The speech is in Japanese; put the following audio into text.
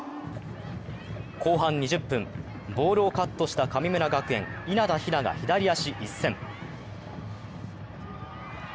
後半２０分、ボールをカットした神村学園・稲田雛が左足一閃。